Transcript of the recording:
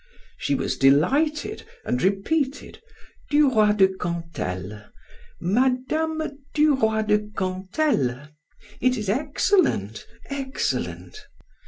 She was delighted, and repeated: "Duroy de Cantel. Mme. Duroy de Cantel. It is excellent, excellent!"